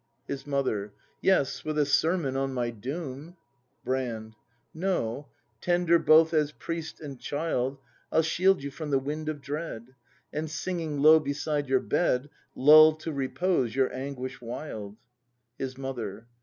His Mother. Yes, with a sermon on my doom! Brand. No, tender both as priest and child I'll shield you from the wind of dread. And singing low beside your bed Lull to repose your anguish wild. His Mother.